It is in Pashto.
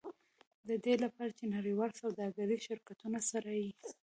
د دې لپاره چې د نړیوالو سوداګریزو شرکتونو سره یې.